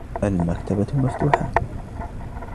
المكتبة مفتوحة.